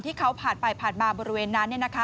ที่เขาผ่านไปผ่านมาบริเวณนั้นเนี่ยนะคะ